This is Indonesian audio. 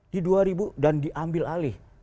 di dua ribu dan diambil alih